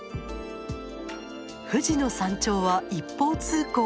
富士の山頂は一方通行。